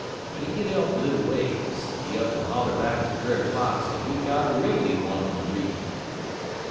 Wen he git off little ways, he up 'n holler back ter Brer Fox dat he got a riddle he want 'im ter read.